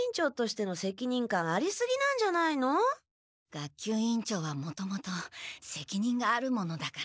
学級委員長はもともとせきにんがあるものだから。